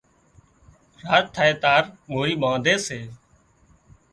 راچ ٿائي تار مورِي ٻانڌي سي